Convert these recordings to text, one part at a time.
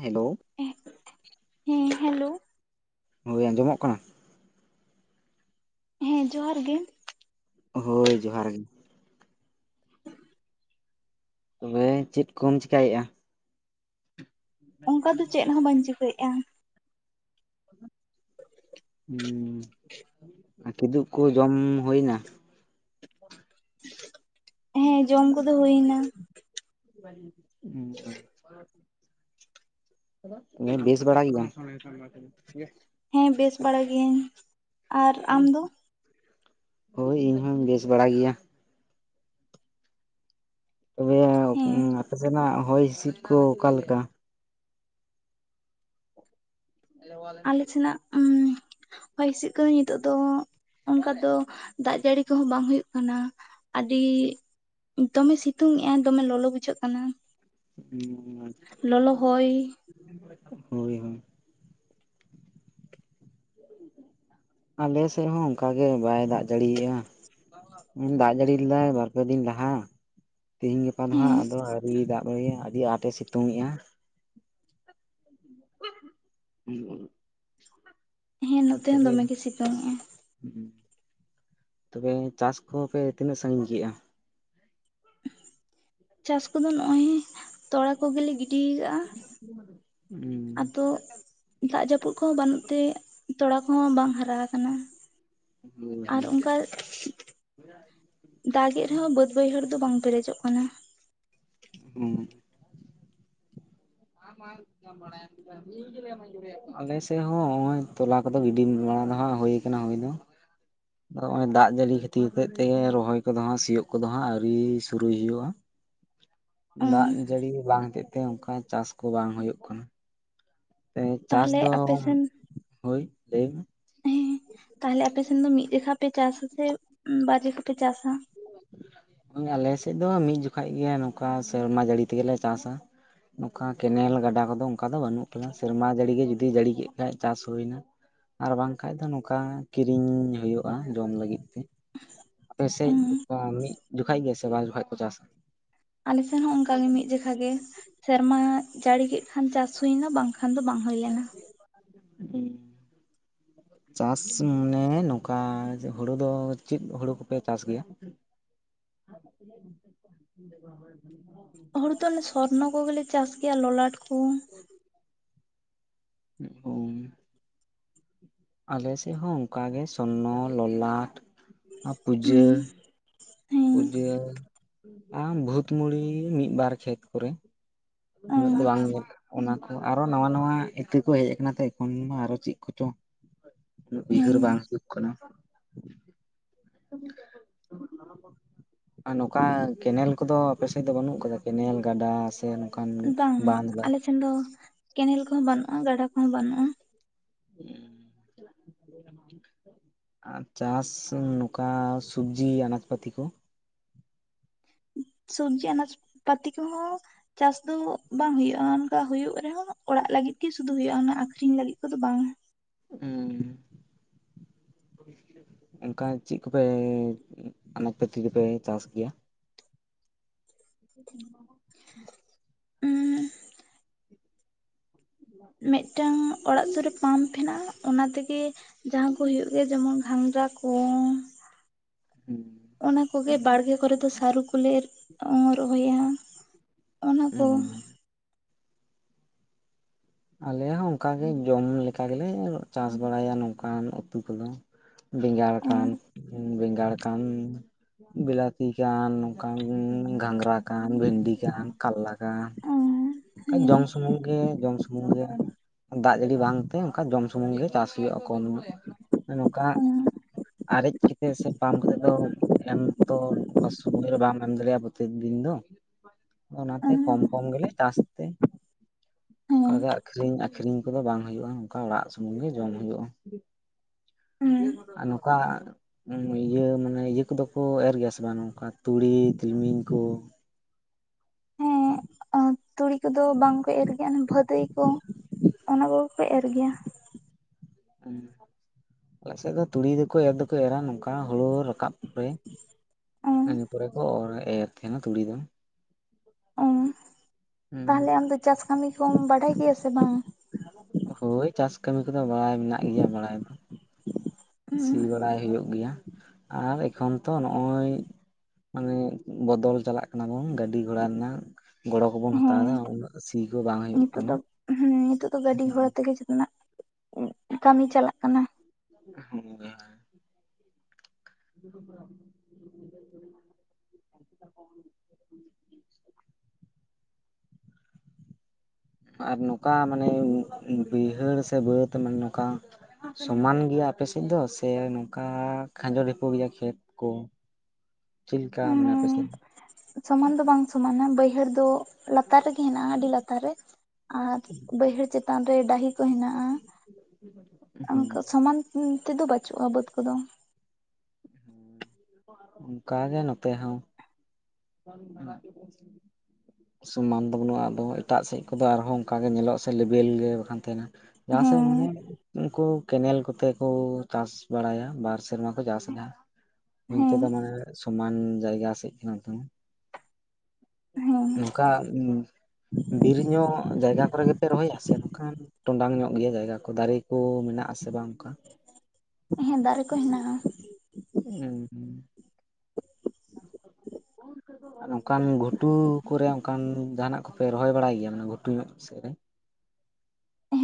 Hello, ᱦᱮᱸ hello ᱦᱳᱭ ᱟᱸᱡᱚᱢᱚᱜ ᱠᱟᱱᱟ? ᱦᱮᱸ ᱡᱚᱦᱟᱨ ᱜᱤ। ᱦᱳᱭ, ᱡᱚᱦᱟᱨ ᱜᱮ। ᱛᱚᱵᱮ ᱪᱮᱱ ᱠᱚᱢ ᱪᱮᱠᱟᱭᱮᱜᱼᱟ? ᱚᱱᱠᱟ ᱫᱚ ᱪᱮᱫ ᱦᱚᱸ ᱵᱟᱧ ᱪᱤᱠᱟᱹᱭᱮᱜᱼᱟ᱾ ᱦᱩᱸ ᱠᱤᱫᱩᱵ ᱠᱩ ᱡᱚᱢ ᱦᱳᱭᱮᱱᱟ? ᱦᱮᱸ ᱡᱚᱢ ᱠᱩᱫᱚ ᱦᱳᱭ ᱤᱱᱟ᱾ ᱦᱩᱸ [inaudible] ᱵᱮᱥ ᱵᱟᱲᱟ ᱜᱮᱭᱟᱢ? ᱦᱮᱸ ᱵᱮᱥ ᱵᱟᱲᱟ ᱜᱤᱭᱟᱹᱧ। ᱟᱨ ᱟᱢ ᱫᱚ ᱦᱳᱭ ᱤᱧᱦᱩᱧ ᱵᱮᱥ ᱵᱟᱲᱟ ᱜᱮᱭᱟ᱾ ᱛᱚᱵᱮ ᱦᱮᱸ ᱟᱯᱮ ᱥᱮᱱᱟᱜ ᱦᱚᱭ ᱦᱤᱤᱥᱤᱫ ᱠᱩ ᱚᱠᱟᱞᱮᱠᱟ? ᱟᱞᱮ ᱥᱮᱱᱟᱜ ᱩᱸᱻᱢ ᱦᱚᱭ ᱦᱤᱸᱥᱤᱫ ᱠᱚᱫᱚ ᱱᱤᱛᱚᱜ ᱫᱚ ᱚᱱᱠᱟ ᱫᱚ ᱫᱟᱜ ᱡᱟᱲᱤ ᱠᱚᱦᱚᱸ ᱵᱟᱝ ᱦᱩᱭᱩᱜ ᱠᱟᱱᱟ ᱟᱰᱤ ᱫᱚᱢᱮ ᱥᱤᱛᱩᱝ ᱮᱜᱼᱟᱭ ᱫᱚᱢᱮ ᱞᱚᱞᱚ ᱵᱩᱡᱷᱟᱹᱜ ᱠᱟᱱᱟ᱾ ᱦᱩᱸ ᱦᱩᱸ। ᱞᱚᱞᱚ ᱦᱚᱭ ᱦᱳᱭ ᱦᱳᱭ ᱟᱞᱮ ᱥᱮᱫ ᱦᱚᱸ ᱚᱱᱠᱟ ᱜᱮ ᱵᱟᱭ ᱫᱟᱜ ᱡᱟᱲᱤᱭᱮᱜᱼᱟ। ᱫᱟᱜ ᱡᱟᱹᱲᱤ ᱞᱮᱫᱟᱭ ᱵᱟᱨ ᱯᱮ ᱫᱤᱱ ᱞᱟᱦᱟ ᱛᱮᱦᱤᱧ ᱜᱟᱯᱟ ᱦᱮᱸ ᱱᱟᱼᱦᱟᱸᱜ ᱟᱫᱚ ᱟᱣᱨᱤᱭ ᱫᱟᱜ ᱟᱹᱰᱤ ᱟᱸᱴᱮ ᱥᱤᱛᱩᱝ ᱮᱜᱼᱟ ᱾ [unintelligible] ᱦᱮᱸ ᱱᱚᱛᱮ ᱦᱚᱸ ᱫᱚᱢᱮ ᱜᱮ ᱥᱤᱛᱩᱝ ᱮᱜᱼᱟ ᱾ ᱦᱩᱸ ᱛᱚᱵᱮ ᱪᱟᱥ ᱠᱚᱯᱮ ᱛᱤᱱᱟᱹᱜ ᱥᱟᱜᱤᱧ ᱠᱮᱜᱼᱟ? ᱪᱟᱥ ᱠᱚᱫᱚ ᱱᱚᱜᱼᱚᱭ ᱛᱚᱲᱟ ᱠᱚᱜᱮ ᱞᱮ ᱜᱤᱰᱤ ᱠᱟᱜᱼᱟ [inaudible] ᱟᱫᱚ ᱫᱟᱜ ᱡᱟᱹᱯᱩᱫ ᱠᱚᱦᱚᱸ ᱵᱟᱹᱱᱩᱜ ᱛᱮ ᱛᱚᱲᱟ ᱠᱚᱦᱚᱸ ᱵᱟᱝ ᱦᱟᱨᱟ ᱟᱠᱟᱱᱟ ᱾ ᱟᱨ ᱚᱱᱠᱟ ᱫᱟᱜᱮᱫ ᱨᱮᱦᱚᱸ ᱵᱟᱹᱫ ᱵᱟᱹᱭᱦᱟᱹᱲ ᱫᱚ ᱵᱟᱝ ᱯᱮᱨᱮᱡᱚᱜ ᱠᱟᱱᱟ ᱾ ᱦᱩᱸ [unintelligible] ᱟᱞᱮ ᱥᱮᱫ ᱦᱚᱸ ᱱᱚᱜ-ᱚᱭ ᱛᱚᱞᱟ ᱠᱚᱫᱚ ᱜᱤᱰᱤ ᱵᱟᱲᱟ ᱱᱟᱼᱦᱟᱸᱜ ᱦᱩᱭ ᱠᱟᱱᱟ ᱦᱩᱭ ᱫᱚ ᱟᱫᱚ ᱱᱚᱜᱼᱚᱭ ᱫᱟᱜ ᱡᱟᱹᱲᱤ ᱠᱷᱟᱹᱛᱤᱨ ᱦᱚᱛᱮᱜ ᱛᱮ ᱨᱚᱦᱚᱭ ᱠᱚᱫᱚ ᱦᱟᱸᱜ ᱥᱤᱭᱳᱜ ᱠᱚᱫᱚ ᱦᱟᱸᱜ ᱟᱹᱣᱨᱤ ᱥᱩᱨᱩᱭ ᱦᱩᱭᱩᱜᱼᱟ ᱾ ᱫᱟᱜ ᱡᱟᱹᱲᱤ ᱵᱟᱝ ᱦᱚᱛᱮᱡᱛᱮ ᱚᱱᱠᱟ ᱪᱟᱥ ᱠᱚ ᱵᱟᱝ ᱦᱳᱭᱳᱜ ᱠᱟᱱᱟ ᱾ ᱛᱮ ᱪᱟᱥ ᱛᱟᱦᱚᱞᱮ ᱫᱚ ᱟᱯᱮ ᱥᱮᱱ ᱦᱳᱭ ᱞᱟᱹᱭ ᱢᱮ ᱦᱮᱸ ᱛᱟᱦᱚᱞᱮ ᱟᱯᱮᱥᱱ ᱫᱚ ᱢᱤᱫ ᱡᱚᱠᱷᱟ ᱯᱮ ᱪᱟᱥᱟ ᱥᱮ ᱵᱟᱨ ᱡᱚᱠᱷᱟ ᱯᱮ ᱪᱟᱥᱟ? ᱟᱞᱮᱥᱮᱫ ᱫᱚ ᱢᱤᱫ ᱡᱚᱠᱷᱟᱡ ᱜᱮ ᱱᱚᱝᱠᱟ ᱥᱮᱨᱢᱟ ᱡᱟᱹᱲᱤ ᱛᱮᱜᱮᱞᱮ ᱪᱟᱥᱟ ᱾ ᱱᱚᱝᱠᱟ ᱠᱮᱱᱮᱞ ᱜᱟᱰᱟ ᱠᱚᱫᱚ ᱚᱱᱠᱟ ᱫᱚ ᱵᱟᱹᱱᱩᱜ ᱟᱠᱟᱫᱟ ᱥᱮᱨᱢᱟ ᱡᱟᱹᱲᱤ ᱜᱮ ᱡᱩᱫᱤ ᱡᱟᱹᱲᱤ ᱠᱮᱫ ᱠᱷᱟᱡ ᱪᱟᱥ ᱦᱩᱭᱱᱟ ᱾ ᱟᱨ ᱵᱟᱝᱠᱷᱟᱡ ᱫᱚ ᱱᱚᱝᱠᱟ ᱠᱤᱨᱤᱧ ᱦᱩᱭᱩᱜᱼᱟ ᱡᱚᱢ ᱞᱟᱹᱜᱤᱫ ᱛᱮ ᱟᱯᱮᱥᱮᱡ ᱢᱤᱫ ᱡᱚᱠᱷᱟᱡ ᱜᱮ ᱥᱮ ᱵᱟᱨ ᱡᱠᱷᱟᱡ ᱠᱚ ᱪᱟᱥᱟ? ᱟᱞᱮᱥᱮᱱ ᱦᱚᱸ ᱚᱱᱠᱟ ᱜᱮ ᱢᱤᱫ ᱡᱚᱠᱷᱟ ᱜᱮ ᱥᱮᱨᱢᱟ ᱡᱟᱹᱲᱤ ᱠᱮᱫ ᱠᱷᱟᱱ ᱪᱟᱥ ᱦᱩᱭᱱᱟ ᱵᱟᱝᱠᱷᱟᱱ ᱫᱚ ᱵᱟᱝ ᱦᱩᱭ ᱞᱮᱱᱟ ᱾ ᱦᱮᱸ ᱪᱟᱥ ᱢᱟᱱᱮ ᱱᱚᱝᱠᱟ ᱦᱳᱲᱳ ᱫᱚ ᱪᱮᱫ ᱦᱳᱲᱳ ᱠᱚᱯᱮ ᱪᱟᱥ ᱜᱮᱭᱟ? [unintelligible] ᱦᱳᱲᱳ ᱫᱚ ᱚᱱᱮ ᱥᱚᱨᱱᱚ ᱠᱚᱜᱮᱞᱮ ᱪᱟᱥ ᱜᱮᱭᱟ ᱞᱚᱞᱟᱴ ᱠᱚ ᱚ ᱟᱞᱮᱥᱮᱫ ᱦᱚᱸ ᱚᱱᱠᱟ ᱜᱮ ᱥᱚᱨᱱᱚ, ᱞᱚᱞᱟᱴ, ᱯᱩᱡᱟᱹ ᱦᱮᱸ ᱯᱩᱡᱟᱹ ᱟ ᱵᱷᱩᱛ ᱢᱩᱲᱤ ᱢᱤᱫ ᱵᱟᱨ ᱠᱷᱮᱛ ᱠᱚᱨᱮ। ᱩᱱᱟᱹᱜ ᱫᱚ ᱦᱮᱸ ᱵᱟᱝ ᱜᱮ ᱚᱱᱟ ᱠᱚ ᱟᱨᱚ ᱱᱟᱣᱟ ᱱᱟᱣᱟ ᱤᱛᱟᱹ ᱠᱚ ᱦᱮᱡ ᱟᱠᱟᱱᱟ ᱛᱚ ᱮᱠᱷᱚᱱ ᱟᱨᱚ ᱪᱮᱫ ᱠᱚᱪᱚ ᱩᱱᱟᱹᱜ ᱩᱭᱦᱟᱹᱨ ᱵᱟᱝ ᱦᱩᱭᱩᱜ ᱠᱟᱱᱟ ᱾ [unintelligible] ᱟᱨ ᱱᱚᱝᱠᱟ ᱠᱮᱱᱮᱞ ᱠᱚᱫᱚ ᱟᱯᱮᱥᱮᱫ ᱫᱚ ᱵᱟᱹᱱᱩᱜ ᱟᱠᱟᱫᱟ ᱠᱮᱱᱮᱞ ᱜᱟᱰᱟ ᱥᱮ ᱚᱱᱠᱟᱱ ᱵᱟᱸᱫ ᱫᱟ ᱪᱮᱱ ᱫᱚ ᱠᱮᱱᱮᱞ ᱠᱚᱦᱚᱸ ᱵᱟᱹᱱᱩᱜᱼᱟ ᱜᱟᱰᱟ ᱠᱚᱦᱚᱸ ᱵᱟᱹᱱᱩᱜᱼᱟ ᱾ ᱦᱮᱸ ᱟᱨ ᱪᱟᱥ ᱱᱚᱝᱠᱟ ᱥᱚᱵᱡᱤ ᱟᱱᱟᱡ ᱯᱟᱹᱛᱤ ᱠᱚ ᱥᱚᱵᱡᱤ ᱟᱱᱟᱡᱽ ᱯᱟᱛᱤ ᱠᱚᱦᱚᱸ ᱪᱟᱥ ᱫᱚ ᱵᱟᱝ ᱦᱩᱭᱩᱜᱼᱟ ᱚᱱᱠᱟ ᱦᱩᱭᱩᱜ ᱨᱮᱦᱚᱸ ᱚᱲᱟᱜ ᱞᱟᱹᱜᱤᱫ ᱜᱮ ᱥᱩᱫᱷᱩ ᱦᱩᱭᱩᱜᱼᱟ ᱚᱱᱟ ᱟᱠᱷᱨᱤᱧ ᱞᱟᱹᱜᱤᱫ ᱠᱚᱫᱚ ᱵᱟᱝ ᱾ ᱦᱩᱸ। ᱚᱱᱠᱟ ᱪᱮᱫ ᱠᱚᱯᱮ ᱟᱱᱟᱡ ᱯᱟᱹᱛᱤ ᱫᱚᱯᱮ ᱪᱟᱥ ᱜᱮᱭᱟ? [inaudible] ᱩᱸᱻ᱾ ᱢᱤᱫᱴᱟᱝ ᱚᱲᱟᱜ ᱥᱩᱨ ᱨᱮ ᱯᱟᱢᱯ ᱦᱮᱱᱟᱜᱼᱟ, ᱚᱱᱟ ᱛᱮᱜᱮ ᱡᱟᱦᱟᱸ ᱠᱚ ᱦᱳᱭᱳᱜ ᱜᱮᱭᱟ ᱡᱮᱢᱚᱱ ᱜᱷᱟᱸᱜᱽᱨᱟ ᱠᱚ ᱚᱱᱟ ᱠᱚᱜᱮ ᱵᱟᱲᱜᱮ ᱠᱚᱨᱮ ᱫᱚ ᱥᱟᱹᱨᱩ ᱠᱚᱞᱮ ᱮᱨ ᱚᱸᱻ ᱨᱚᱦᱚᱭᱟ ᱚᱱᱟ ᱠᱚ ᱾ ᱟᱞᱮ ᱦᱚᱸ ᱚᱝᱠᱟ ᱜᱮ, ᱡᱚᱢ ᱞᱮᱠᱟ ᱜᱮᱞᱮ ᱪᱟᱥ ᱵᱟᱲᱟᱭᱟ ᱱᱚᱝᱠᱟᱱ ᱩᱛᱩ ᱠᱚᱫᱚ᱾ ᱵᱮᱸᱜᱟᱲ ᱠᱟᱱ, ᱵᱮᱸᱜᱟᱲ ᱠᱟᱱ᱾ ᱵᱤᱞᱟᱛᱤ ᱠᱟᱱ, ᱱᱚᱝᱠᱟᱱ ᱜᱷᱟᱸᱜᱽᱨᱟ ᱠᱟᱱ, ᱵᱷᱮᱱᱰᱤ ᱠᱟᱱ, ᱠᱟᱞᱞᱟ ᱠᱟᱱ᱾ ᱠᱟ ᱡᱚᱢ ᱥᱩᱢᱩᱝ ᱜᱮ, ᱡᱚᱢ ᱥᱩᱢᱩᱝ ᱜᱮ᱾ ᱫᱟᱜ ᱡᱟᱹᱲᱤ ᱵᱟᱝ ᱛᱮ ᱚᱝᱠᱟ ᱡᱚᱢ ᱥᱩᱢᱩᱝ ᱜᱮ ᱪᱟᱥ ᱦᱩᱭᱩᱜᱼᱟ ᱠᱚᱢ ᱧᱚᱜ, ᱱᱚᱝᱠᱟ ᱟᱨᱮᱡ ᱠᱮᱛᱮᱜ ᱥᱮ ᱯᱟᱢᱯ ᱠᱚᱛᱮ ᱫᱚ ᱮᱢ ᱛᱚ ᱚᱝᱠᱟ ᱥᱩᱢᱳᱭ ᱨᱮ ᱵᱟᱢ ᱮᱢ ᱫᱟᱲᱮᱭᱟᱜᱼᱟ ᱯᱨᱚᱛᱛᱮᱠ ᱫᱤᱱ ᱫᱚ᱾ ᱚᱱᱟᱛᱮ ᱠᱚᱢ ᱠᱚᱢ ᱜᱮᱞᱮ ᱪᱟᱥ ᱛᱮ᱾ ᱚᱝᱠᱟ ᱜᱮ ᱟᱠᱷᱨᱤᱧ ᱟᱠᱷᱨᱤᱧ ᱠᱚᱫᱚ ᱵᱟᱝ ᱦᱳᱭᱳᱜᱼᱟ, ᱱᱚᱝᱠᱟ ᱚᱲᱟᱜ ᱥᱩᱢᱩᱝ ᱜᱮ ᱡᱚᱢ ᱦᱳᱭᱳᱜᱼᱟ᱾ ᱟᱨ ᱱᱚᱠᱟ ᱤᱭᱟᱹ ᱢᱟᱱᱮ ᱤᱭᱟᱹ ᱠᱚᱫᱚ ᱠᱚ ᱮᱨ ᱜᱮᱭᱟ ᱥᱮ ᱵᱟᱝ ᱱᱚᱝᱠᱟ ᱛᱩᱲᱤ ᱛᱤᱞᱢᱤᱧ ᱠᱚ? ᱛᱩᱲᱤ ᱠᱚᱫᱚ ᱵᱟᱝ ᱠᱚ ᱮᱨ ᱜᱮᱭᱟ, ᱚᱱᱟ ᱵᱷᱟᱹᱫᱟᱹᱭ ᱠᱚ ᱚᱱᱟ ᱠᱚᱜᱮ ᱠᱚ ᱮᱨ ᱜᱮᱭᱟ᱾ ᱦᱩᱸ ᱟᱞᱮ ᱥᱮᱫ ᱫᱚ ᱛᱩᱲᱤ ᱫᱚᱠᱚ ᱮᱨ ᱫᱚᱠᱚ ᱮᱨᱟ ᱱᱚᱝᱠᱟ ᱦᱳᱲᱳ ᱨᱟᱠᱟᱵ ᱯᱚᱨᱮ ᱚ ᱤᱱᱟᱹ ᱯᱚᱨᱮ ᱠᱚ ᱚᱨ ᱮᱨ ᱛᱟᱦᱮᱱᱟ ᱛᱩᱲᱤ ᱫᱚ᱾ ᱚᱸ, ᱛᱟᱦᱚᱞᱮ ᱟᱢ ᱫᱚ ᱪᱟᱥ ᱠᱟᱹᱢᱤ ᱠᱚᱢ ᱵᱟᱰᱟᱭ ᱜᱮᱭᱟ ᱥᱮ ᱵᱟᱝ? ᱦᱳᱭ ᱪᱟᱥ ᱠᱟᱹᱢᱤ ᱠᱚᱫᱚ ᱵᱟᱲᱟᱭ ᱢᱮᱱᱟᱜ ᱜᱮᱭᱟ ᱵᱟᱲᱟᱭ ᱫᱚ ᱾ ᱥᱤ ᱵᱟᱲᱟᱭ ᱦᱳᱭᱤᱜ ᱜᱮᱭᱟ, ᱟᱨ ᱮᱠᱷᱚᱱ ᱛᱚ ᱱᱚᱸᱜᱼᱚᱭ ᱢᱟᱱᱮ ᱵᱚᱫᱚᱞ ᱪᱟᱞᱟᱜ ᱠᱟᱱᱟ ᱵᱚᱱ, ᱜᱟᱹᱰᱤ ᱜᱷᱚᱲᱟ ᱨᱮᱱᱟᱜ ᱜᱚᱲᱚ ᱠᱚᱵᱚᱱ ᱦᱟᱛᱟᱣ ᱦᱮᱸ ᱮᱫᱟ, ᱩᱱᱟᱹᱜ ᱥᱤ ᱠᱚ ᱵᱟᱝ ᱦᱳᱭᱳᱜ ᱱᱤᱛᱚᱜ ᱠᱟᱱᱟ᱾ ᱫᱚ ᱦᱮᱸ ᱚᱸᱜ, ᱠᱟᱹᱢᱤ ᱪᱟᱞᱟᱜ ᱠᱟᱱᱟ᱾ [unintelligible] [inaudible] ᱟᱨ ᱱᱚᱠᱟ ᱢᱟᱱᱮ ᱵᱟᱹᱭᱦᱟᱹᱲ ᱥᱮ ᱵᱟᱹᱫᱽ ᱢᱟᱱᱮ ᱱᱚᱠᱟ ᱥᱚᱢᱟᱱ ᱜᱮᱭᱟ ᱟᱯᱮ ᱥᱮᱫ ᱫᱚ? ᱥᱮ ᱱᱚᱝᱠᱟ ᱠᱷᱟᱸᱡᱚ ᱰᱷᱤᱯᱚ ᱜᱮᱭᱟ ᱠᱷᱮᱛ ᱠᱚ? ᱪᱤᱫ ᱞᱮᱠᱟ ᱢᱟᱱᱮ ᱟᱯᱮ ᱥᱮᱫ? ᱥᱚᱢᱟᱱ ᱫᱚ ᱵᱟᱝ ᱥᱚᱢᱟᱱᱟ, ᱵᱟᱹᱭᱦᱟᱹᱲ ᱫᱚ ᱞᱟᱛᱟᱨ ᱨᱮᱜᱮ ᱦᱮᱱᱟᱜᱼᱟ ᱟᱹᱰᱤ ᱞᱟᱛᱟᱨ ᱨᱮ᱾ ᱟᱨ ᱵᱟᱹᱭᱦᱟᱹᱲ ᱪᱮᱛᱟᱱ ᱨᱮ ᱰᱟᱦᱤ ᱠᱚ ᱦᱮᱱᱟᱜᱼᱟ, ᱚᱝᱠᱟ ᱥᱚᱢᱟᱱ ᱩᱸ ᱛᱮᱫᱚ ᱵᱟᱹᱪᱩᱜᱼᱟ ᱵᱟᱹᱫᱽ ᱠᱚᱫᱚ᱾ ᱦᱩᱸ ᱚᱱᱠᱟ ᱜᱮ ᱱᱚᱛᱮ ᱦᱚᱸ᱾ [unintelligible] ᱥᱚᱢᱟᱱ ᱫᱚ ᱵᱟᱹᱱᱩᱜᱼᱟ, ᱟᱫᱚ ᱮᱴᱟᱜ ᱥᱮᱡ ᱠᱚᱫᱚ ᱟᱨᱦᱚᱸ ᱚᱱᱠᱟ ᱜᱮ ᱧᱮᱞᱚᱜᱼᱟ ᱥᱮ ᱞᱮᱵᱮᱞ ᱜᱮ ᱵᱟᱠᱷᱟᱱ ᱛᱟᱦᱮᱱᱟ᱾ ᱡᱟᱦᱟᱸ ᱥᱮᱡ ᱦᱮᱸ ᱢᱟᱱᱮ, ᱩᱱᱠᱩ ᱠᱮᱱᱮᱞ ᱠᱚᱛᱮ ᱠᱚ ᱪᱟᱥ ᱵᱟᱲᱟᱭᱟ, ᱵᱟᱨ ᱥᱮᱨᱢᱟ ᱠᱚ ᱪᱟᱥ ᱮᱫᱟ᱾ ᱦᱳᱭ ᱚᱱᱛᱮ ᱦᱮᱸ ᱫᱚ ᱢᱟᱱᱮ ᱥᱚᱢᱟᱱ ᱡᱟᱭᱜᱟ ᱥᱮᱡ ᱠᱟᱱᱟ ᱛᱚ᱾ ᱦᱮᱸ ᱱᱚᱠᱟ ᱵᱤᱨ ᱧᱚᱜ ᱡᱟᱭᱜᱟ ᱠᱚᱨᱮ ᱜᱮᱯᱮ ᱨᱚᱦᱚᱭᱟ? ᱥᱮ ᱱᱚᱝᱠᱟᱱ ᱴᱚᱸᱰᱟᱝ ᱧᱚᱜ ᱜᱮᱭᱟ ᱡᱟᱭᱜᱟ ᱠᱚ ᱫᱟᱨᱮ ᱠᱚ ᱢᱮᱱᱟᱜ ᱟᱥᱮ ᱵᱟᱝ ᱚᱝᱠᱟ? ᱦᱮᱸ, ᱫᱟᱨᱮ ᱠᱚ ᱦᱮᱱᱟᱜᱼᱟ᱾ ᱩᱸᱻ᱾ [inaudible] ᱟᱨ ᱚᱱᱠᱟᱱ ᱜᱷᱩᱴᱩ ᱠᱚᱨᱮ ᱚᱱᱠᱟᱱ ᱡᱟᱦᱟᱱᱟᱜ ᱠᱚᱯᱮ ᱨᱚᱦᱚᱭ ᱵᱟᱲᱟᱭ ᱜᱮᱭᱟ ᱢᱟᱱᱮ ᱜᱷᱩᱴᱩ ᱧᱚᱜ ᱥᱮ ᱨᱮ?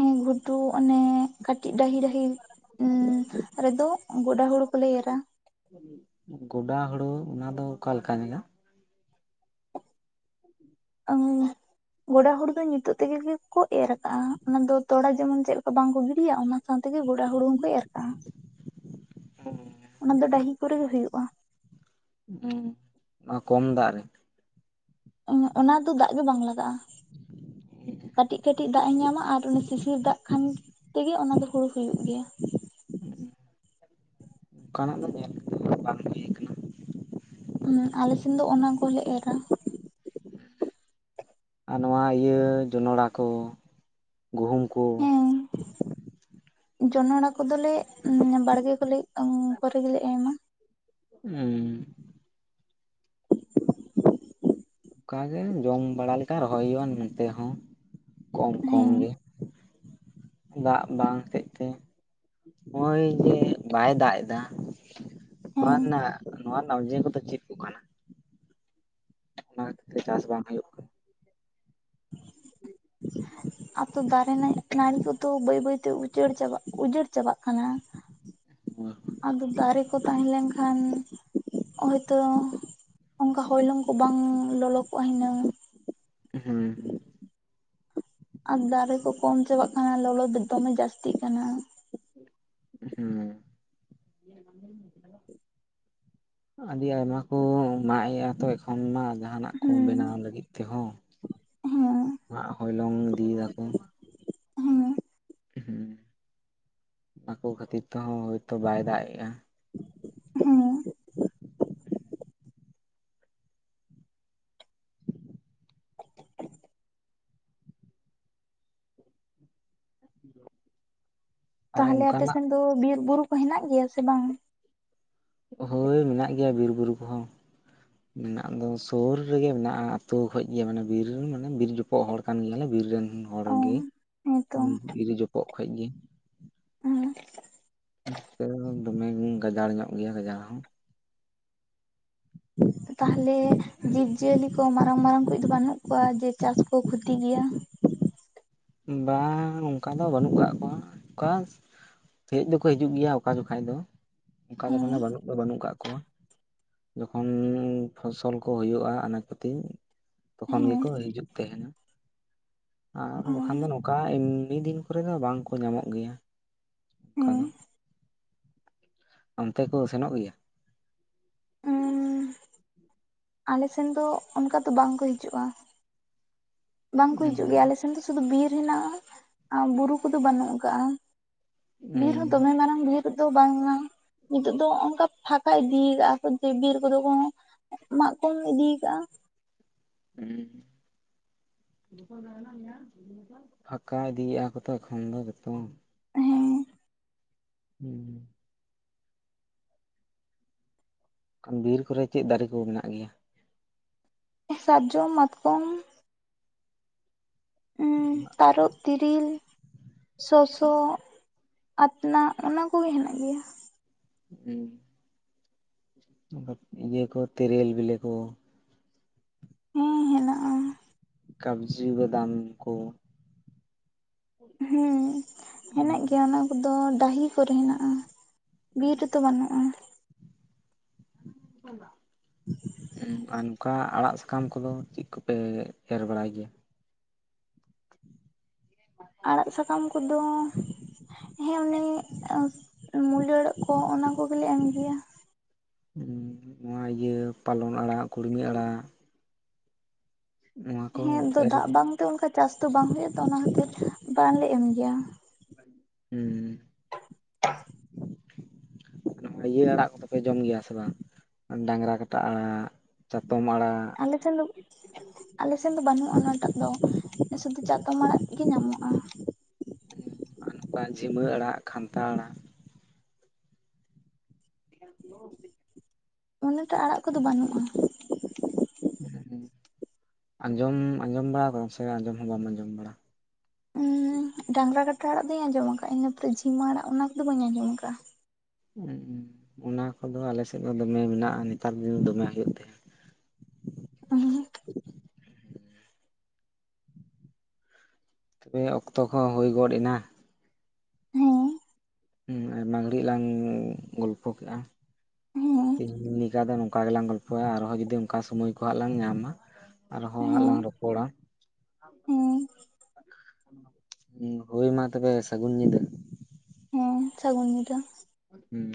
ᱦᱮᱸ ᱜᱷᱩᱴᱩ ᱚᱱᱮ ᱠᱟᱹᱴᱤᱡ ᱰᱟᱹᱦᱤ- ᱰᱟᱹᱦᱤ ᱩᱸ ᱨᱮᱫᱚ ᱜᱚᱰᱟ ᱦᱩᱲᱩ ᱠᱚᱞᱮ ᱮᱨᱟ ᱾ ᱜᱚᱰᱟ ᱦᱳᱲᱳ ᱚᱱᱟ ᱫᱚ ᱚᱠᱟᱞᱮᱠᱟ ᱡᱟᱭᱜᱟ? ᱟᱸᱻ ᱜᱚᱰᱟ ᱦᱳᱲᱳ ᱫᱚ ᱧᱤᱛᱳᱜ ᱛᱮᱜᱮ ᱜᱮᱠᱚ ᱮᱨ ᱟᱠᱟᱜᱼᱟ, ᱚᱱᱟ ᱫᱚ ᱛᱚᱲᱟ ᱡᱮᱢᱚᱱ ᱪᱮᱫ ᱞᱮᱠᱟ ᱵᱟᱝ ᱠᱚ ᱜᱤᱰᱤᱭᱟ ᱚᱱᱟ ᱥᱟᱶᱛᱮᱜᱮ ᱜᱚᱰᱟ ᱦᱩᱲᱩᱝ ᱦᱚᱸᱠᱚ ᱮᱨ ᱠᱟᱜᱼᱟ ᱾ [inaudible] ᱚᱱᱟ ᱫᱚ ᱰᱟᱹᱦᱤ ᱠᱚᱨᱮ ᱜᱮ ᱦᱩᱭᱩᱜᱼᱟ᱾ ᱦᱮᱸ, ᱚᱱᱟ ᱠᱚᱢ ᱫᱟᱜ ᱨᱮ᱾ ᱚᱸ ᱚᱱᱟ ᱫᱚ ᱫᱟᱜ ᱜᱮ ᱵᱟᱝ ᱞᱟᱜᱟᱜᱼᱟ ᱾ ᱠᱟᱹᱴᱤᱡ ᱠᱟᱹᱴᱤᱡ ᱫᱟᱜ ᱮ ᱧᱟᱢᱟ ᱟᱨ ᱚᱱᱮ ᱥᱤᱥᱤᱨ ᱫᱟᱜ ᱠᱷᱟᱱ ᱛᱮᱜᱮ ᱚᱱᱟ ᱫᱚ ᱦᱩᱲᱩ ᱦᱩᱭᱩᱜ ᱜᱮᱭᱟ᱾ ᱚᱱᱠᱟᱱᱟᱜ ᱫᱚ ᱧᱮᱞ ᱜᱮ ᱵᱟᱝ ᱦᱩᱭ ᱟᱠᱟᱱᱟ ᱾ ᱦᱩᱸ, ᱟᱞᱮ ᱥᱮᱱ ᱫᱚ ᱚᱱᱟ ᱠᱚᱦᱚᱸᱞᱮ ᱮᱨᱟ ᱾ ᱟᱨ ᱱᱚᱣᱟ ᱤᱭᱟᱹ ᱡᱚᱱᱚᱲᱟ ᱠᱚ ᱜᱩᱦᱩᱢ ᱠᱚ ᱾ ᱦᱮᱸ ᱡᱚᱱᱚᱲᱟ ᱠᱚᱫᱚᱞᱮ ᱩᱸ ᱵᱟᱲᱜᱮ ᱠᱚᱞᱮ ᱩᱸ ᱠᱚᱨᱮ ᱜᱮᱞᱮ ᱮᱢᱟ ᱾ ᱩᱸ ᱠᱟᱜᱮ ᱡᱚᱢ ᱵᱟᱲᱟ ᱞᱮᱠᱟ ᱨᱚᱦᱚᱭ ᱦᱩᱭᱩᱜᱼᱟ ᱱᱚᱛᱮ ᱦᱚᱸ ᱠᱚᱢ ᱠᱚᱢ ᱦᱮᱸ ᱜᱮ᱾ ᱫᱟᱜ ᱵᱟᱝ ᱦᱚᱛᱮᱫ ᱛᱮ, ᱦᱚᱜᱼᱚᱭ ᱡᱮ ᱵᱟᱭ ᱫᱟᱜ ᱮᱫᱟ ᱱᱚᱣᱟ ᱦᱮᱸ ᱨᱮᱱᱟᱜ ᱱᱚᱣᱟ ᱨᱮᱱᱟᱜ ᱚᱡᱮ ᱠᱚᱫᱚ ᱪᱮᱫ? ᱠᱚ ᱠᱟᱱᱟ ᱚᱱᱟ ᱠᱷᱟᱹᱛᱤᱨ ᱛᱮ ᱪᱟᱥ ᱵᱟᱝ ᱦᱩᱭᱩᱜ ᱠᱟᱱᱟ᱾ ᱟᱛᱚ ᱫᱟᱨᱮ ᱱᱟᱲ ᱱᱟᱹᱲᱤ ᱠᱚᱫᱚ ᱵᱟᱹᱭ ᱵᱟᱹᱭᱛᱮ ᱩᱪᱟᱹᱲ ᱪᱟᱵᱟᱜ ᱩᱡᱟᱹᱲ ᱪᱟᱵᱟᱜ ᱠᱟᱱᱟ᱾ ᱠᱟᱱᱟ ᱟᱫᱚ ᱫᱟᱨᱮ ᱠᱚ ᱛᱟᱦᱮᱸ ᱞᱮᱱᱠᱷᱟᱱ, ᱦᱚᱭᱛᱚ ᱚᱝᱠᱟ ᱦᱚᱭᱞᱚᱝ ᱠᱚ ᱵᱟᱝ ᱞᱚᱞᱚ ᱠᱚᱜᱼᱟ ᱦᱤᱱᱟᱹᱝ ᱾ ᱦᱩᱸ ᱦᱩᱸ ᱾ ᱟᱨ ᱫᱟᱨᱮ ᱠᱚ ᱠᱚᱢ ᱪᱟᱵᱟᱜ ᱠᱟᱱᱟ ᱞᱚᱞᱚ ᱫᱚ ᱫᱚᱢᱮ ᱡᱟᱹᱥᱛᱤᱜ ᱠᱟᱱᱟ᱾ ᱦᱩᱸ ᱾ ᱟᱹᱰᱤ ᱟᱭᱢᱟ ᱠᱚ ᱢᱟᱜ ᱮᱜᱼᱟ ᱛᱚ ᱮᱠᱷᱚᱱ ᱢᱟ ᱡᱟᱦᱟᱱᱟᱜ ᱠᱚ ᱦᱩᱸ ᱵᱮᱱᱟᱣ ᱞᱟᱹᱜᱤᱫ ᱛᱮᱦᱚᱸ ᱦᱮᱸ ᱾ ᱢᱟᱜ ᱦᱚᱭᱞᱚᱝ ᱤᱫᱤᱭ ᱫᱟᱠᱚ ᱾ ᱦᱮᱸ ᱦᱩᱸ, ᱚᱱᱟ ᱠᱚ ᱠᱷᱟᱹᱛᱤᱨ ᱛᱮᱦᱚᱸ ᱦᱳᱭᱛᱚ ᱵᱟᱭ ᱫᱟᱜ ᱮᱜᱼᱟ ᱾ ᱦᱮᱸ ᱟᱨ ᱛᱟᱦᱚᱞᱮ ᱚᱱᱠᱟᱱᱟᱜ ᱟᱯᱮᱥᱮᱫ ᱫᱚ ᱵᱤᱨ ᱵᱩᱨᱩ ᱠᱚ ᱦᱮᱱᱟᱜ ᱜᱮᱭᱟ ᱥᱮ ᱵᱟᱝ? ᱦᱳᱭ, ᱢᱮᱱᱟᱜ ᱜᱮᱭᱟ ᱵᱤᱨ ᱵᱩᱨᱩ ᱠᱚᱦᱚᱸ᱾ ᱢᱮᱱᱟᱜ ᱫᱚ ᱥᱳᱨ ᱨᱮᱜᱮ ᱢᱮᱱᱟᱜᱼᱟ ᱟᱹᱛᱩ ᱠᱷᱚᱡ ᱜᱮ ᱢᱟᱱᱮ ᱵᱤᱨ ᱢᱟᱱᱮ ᱵᱤᱨ ᱡᱚᱯ ᱯᱚᱠ ᱦᱚᱲ ᱠᱟᱱ ᱜᱮᱭᱟᱞᱮ ᱵᱤᱨ ᱨᱮᱱ ᱦᱚᱲ ᱚ ᱜᱮ ᱦᱮᱸᱛᱚ ᱵᱤᱨ ᱡᱚᱯᱚᱜ ᱠᱷᱚᱡ ᱜᱮ ᱾ ᱦᱮᱸ ᱾ ᱱᱚᱛᱮ ᱫᱚᱢᱮ ᱜᱟᱡᱟᱲ ᱧᱚᱜ ᱜᱮᱭᱟ ᱜᱟᱡᱟᱲ ᱦᱚᱸ᱾ ᱛᱟᱦᱚᱞᱮ ᱡᱤᱵᱽ ᱡᱤᱭᱟᱹᱞᱤ ᱠᱚ ᱢᱟᱨᱟᱝ ᱢᱟᱨᱟᱝ ᱠᱩᱡ ᱫᱚ ᱵᱟᱹᱱᱩᱜ ᱠᱚᱣᱟ ᱡᱮ ᱪᱟᱥ ᱠᱚ ᱠᱷᱩᱛᱤ ᱜᱮᱭᱟ? ᱵᱟᱝ ᱚᱝᱠᱟ ᱫᱚ ᱵᱟᱹᱱᱩᱜ ᱠᱟᱜ ᱠᱚᱣᱟ, ᱚᱠᱟᱥ ᱦᱮᱡ ᱫᱚᱠᱚ ᱦᱤᱡᱩᱜ ᱜᱮᱭᱟ ᱚᱠᱟ ᱡᱚᱠᱷᱟᱡ ᱫᱚ, ᱚᱱᱠᱟ ᱫᱚ ᱢᱟᱱᱮ ᱵᱟᱹᱱᱩᱜ ᱫᱚ ᱵᱟᱹᱱᱩᱜ ᱠᱟᱜ ᱠᱚᱣᱟ᱾ ᱡᱚᱠᱷᱚᱱ ᱯᱷᱚᱥᱚᱞ ᱠᱚ ᱦᱳᱭᱳᱜᱼᱟ ᱟᱱᱟᱪ ᱯᱟᱹᱛᱤ, ᱛᱚᱠᱷᱚᱱ ᱜᱮᱠᱚ ᱦᱤᱡᱩᱜ ᱛᱟᱸᱦᱮᱱᱟ ᱾ ᱟᱨ ᱵᱟᱠᱷᱟᱱ ᱫᱚ ᱱᱚᱝᱠᱟ ᱮᱢᱱᱤ ᱫᱤᱱ ᱠᱚᱨᱮᱫᱚ ᱵᱟᱝᱠᱚ ᱧᱟᱢᱚᱜ ᱜᱮᱭᱟ᱾ ᱚᱱᱠᱟ ᱫᱚ ᱦᱩᱸ ᱚᱱᱛᱮ ᱠᱚ ᱥᱮᱱᱚᱜ ᱜᱮᱭᱟ? ᱩᱸᱻ ᱟᱞᱮ ᱥᱮᱱ ᱫᱚ ᱚᱱᱠᱟ ᱫᱚ ᱵᱟᱝ ᱠᱚ ᱦᱤᱡᱩᱜᱼᱟ᱾ ᱵᱟᱝ ᱠᱚ ᱦᱩᱸ ᱦᱤᱡᱩᱜ ᱜᱮᱭᱟ ᱟᱞᱮ ᱥᱮᱱ ᱫᱚ ᱥᱩᱫᱷᱩ ᱵᱤᱨ ᱦᱮᱱᱟᱜᱼᱟ ᱟᱨ ᱵᱩᱨᱩ ᱠᱚᱫᱚ ᱵᱟᱹᱱᱩᱜ ᱠᱟᱜᱼᱟ᱾ ᱵᱤᱨ ᱦᱩᱸ ᱫᱚᱢᱮ ᱢᱟᱨᱟᱝ ᱵᱤᱨ ᱫᱚ ᱵᱟᱝ ᱠᱟᱱᱟ ᱱᱤᱛᱚᱜ ᱫᱚ ᱚᱱᱠᱟ ᱯᱷᱟᱸᱠ ᱠᱷᱟᱡ ᱵᱤᱨ ᱵᱤᱨ ᱠᱚᱫᱚ ᱠᱚ ᱢᱟᱜ ᱠᱚᱢ ᱤᱫᱤ ᱠᱟᱜᱼᱟ᱾ ᱦᱩᱸ ᱯᱷᱟᱠᱟ ᱤᱫᱤᱭᱮᱼᱟ ᱠᱚ ᱛᱚ ᱮᱠᱷᱚᱱ ᱫᱚ ᱡᱚᱛᱚ ᱦᱮᱸ ᱦᱩᱸ ᱵᱤᱨ ᱠᱚᱨᱮ ᱪᱮᱫ ᱫᱟᱨᱮ ᱠᱚ ᱢᱮᱱᱟᱜ ᱜᱮᱭᱟ? ᱥᱟᱨᱡᱚᱢ, ᱢᱟᱛᱠᱚᱢ [unintelligible] ᱛᱟᱨᱚᱵ, ᱛᱤᱨᱤᱞ ᱥᱚᱥᱚ, ᱟᱛᱱᱟᱜ, ᱚᱱᱟ ᱠᱚᱜᱮ ᱦᱮᱱᱟᱜ ᱜᱮᱭᱟ᱾ ᱦᱩᱸ ᱤᱭᱟᱹ ᱠᱚ ᱛᱮᱨᱮᱞ ᱵᱮᱞᱮ ᱠᱚ᱾ ᱦᱮᱸ ᱦᱮᱱᱟᱜᱼᱟ᱾ ᱠᱟᱵᱽᱡᱤ, ᱵᱟᱫᱟᱢ ᱠᱚ ᱦᱮᱸ ᱦᱮᱱᱟᱜ ᱜᱮᱭᱟ ᱚᱱᱟ ᱠᱚᱫᱚ ᱰᱟᱹᱦᱤ ᱠᱚᱨᱮ ᱦᱮᱱᱟᱜᱼᱟ ᱵᱤᱨ ᱨᱮᱫᱚ ᱵᱟᱹᱱᱩᱜᱼᱟ ᱦᱩᱸ ᱟ ᱠᱟ ᱟᱲᱟᱜ ᱥᱟᱠᱟᱢ ᱠᱚᱫᱚ ᱪᱮᱫ ᱠᱚᱯᱮ ᱮᱨ ᱵᱟᱲᱟᱭ ᱜᱮᱭᱟ ᱟᱲᱟᱜ ᱥᱟᱠᱟᱢ ᱠᱚᱫᱚ ᱦᱮᱸ ᱩᱱᱤᱱᱤ ᱢᱩᱞᱟᱹᱟᱹᱲᱚᱜ ᱠᱚ ᱚᱱᱟ ᱠᱚᱜᱮᱞᱮ ᱮᱢᱜᱤᱭᱟ ᱱᱚᱣᱟ ᱤᱭᱟᱹ ᱯᱟᱞᱚᱱ ᱟᱲᱟᱜ ᱠᱩᱲᱢᱤ ᱟᱲᱟᱜ ᱱᱚᱣᱟ ᱠᱚ ᱦᱮᱸ ᱟᱫᱚ ᱮᱨ ᱫᱟᱜ ᱵᱟᱝᱛᱮ ᱚᱱᱠᱟ ᱪᱟᱥ ᱫᱚ ᱵᱟᱝ ᱦ ᱦᱩᱭᱩᱜᱼᱟ ᱛᱚ ᱚᱱᱟ ᱦᱚᱛᱮᱫ ᱵᱟᱝᱞᱮ ᱮᱢ ᱜᱮᱭᱟ ᱦᱩᱸ [unintelligible] ᱤᱭᱟᱹ ᱟᱲᱟᱜ ᱠᱚᱫᱚᱯᱮ ᱡᱚᱢ ᱜᱮᱭᱟ ᱥᱮ ᱵᱟᱝ ᱰᱟᱝᱨᱟ ᱠᱟᱴᱟ ᱟᱲᱟᱜ ᱪᱟᱛᱚᱢ ᱟᱲᱟᱜ ᱟᱞᱮ ᱴᱷᱮᱱ ᱫᱚ ᱟᱞᱮ ᱥᱮᱱ ᱫᱚ ᱵᱟᱹᱱᱩᱜᱼᱟ ᱚᱱᱟᱴᱟᱜ ᱫᱚ ᱥᱩᱫᱩ ᱪᱟᱛᱚᱢ ᱟᱲᱟᱜ ᱜᱮ ᱧᱟᱢᱚᱜᱼᱟ ᱱᱚᱝᱠᱟ ᱡᱷᱤᱢᱟᱹ ᱟᱲᱟᱜ ᱠᱷᱟᱱᱛᱟᱷᱟ ᱟᱲᱟᱜ [unintelligible] ᱚᱱᱮᱴᱟ ᱟᱲᱟᱜ ᱠᱚᱫᱚ ᱵᱟᱹᱱᱩᱜᱼᱟ ᱟᱸᱡᱚᱢ ᱟᱸᱡᱚᱢ ᱵᱟᱲᱟᱠᱟᱫᱟᱢ ᱥᱮ ᱟᱸᱡᱚᱢ ᱦᱚᱸ ᱵᱟᱢ ᱟᱸᱡᱚᱢ ᱵᱟᱲᱟ ᱰᱟᱝᱨᱟ ᱠᱟᱴᱟ ᱟᱲᱟᱜ ᱫᱚᱩᱧ ᱟᱸᱡᱚᱢ ᱟᱠᱟᱤᱧ ᱤᱱᱟᱹ ᱯᱚᱨᱮ ᱡᱷᱤᱢᱟᱹ ᱟᱲᱟᱜ ᱚᱱᱟ ᱠᱚᱫᱚ ᱵᱟᱹᱧ ᱟᱸᱡᱚᱢ ᱟᱠᱟᱜᱼᱟ ᱩᱸ ᱚᱱᱟ ᱠᱚᱫᱚ ᱟᱞᱮᱥᱮᱫ ᱫᱚ ᱫᱚᱢᱮ ᱢᱮᱱᱟᱜᱼᱟ ᱱᱮᱛᱟᱨ ᱫᱤᱱ ᱫᱚᱢᱮ ᱦᱩᱭᱩᱜ ᱛᱟᱦᱮᱫ ᱩᱦᱩᱸᱦᱩᱸ ᱛᱚᱵᱮ ᱚᱠᱛᱚ ᱠᱚᱦᱚᱸ ᱦᱩᱭ ᱜᱚᱫ ᱮᱱᱟ ᱟᱭᱢᱟ ᱜᱷᱟᱲᱤᱡ ᱞᱟᱝ ᱜᱚᱞᱯᱷᱚ ᱠᱮᱜᱼᱟ ᱦᱮᱸ ᱛᱮᱦᱤᱧ ᱞᱮᱠᱟ ᱫᱚ ᱱᱚᱝ ᱠᱟ ᱜᱮᱞᱟᱝ ᱜᱚᱞᱯᱚᱭᱟ ᱟᱨᱦᱚᱸ ᱡᱩᱫᱤ ᱚᱱᱠᱟ ᱥᱳᱢᱳᱭ ᱠᱚ ᱦᱟᱸᱜ ᱞᱟᱝ ᱧᱟᱢᱟ ᱟᱨᱦᱚᱸ ᱦᱟᱸᱜ ᱞᱟᱝ ᱨᱚᱯᱚᱲᱟ ᱦᱩᱸ ᱦᱳᱭ ᱢᱟ ᱛᱚᱵᱮ ᱥᱟᱹᱜᱩᱱ ᱧᱤᱫᱟᱹ ᱦᱮᱸ ᱥᱟᱹᱜᱩᱱ ᱧᱤᱫᱟᱹ ᱦᱩᱸ᱾